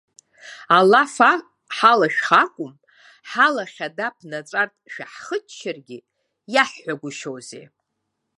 Алаф ҳалшәх акәым, ҳалахь ада ԥнаҵәартә шәаҳхыччаргьы, иаҳҳәагәышьозеи.